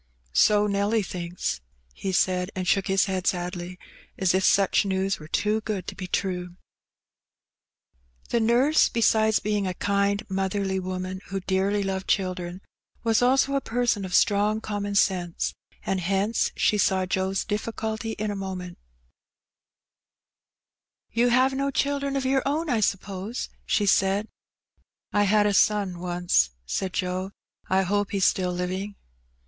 "So Nelly thinks," he said, and shook his head sadly, as if such news were too good to be true. Fading Away. 127 The nurse^ besides being a kind motherly woman who dearly loved children, was also a person of strong common sense, and hence she saw Joe's difficulty in a moment "You have no children of your own, I suppose ?'' she said. "I had a son once,'' said Joe. "I hope he's still living."